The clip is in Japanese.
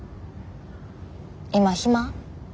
今暇？